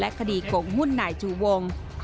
และคดีโกงหุ้นหน่ายจูวง